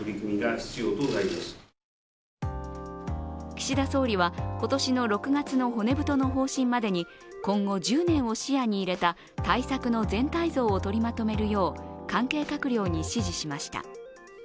岸田総理は今年６月の骨太の方針までに今後１０年を視野に入れた対策の全体像を取りまとめるよう関係閣僚に指示しました。